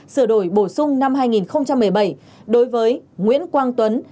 sửa đổi bổ sung năm hai nghìn một mươi bảy đối với nguyễn quang tuấn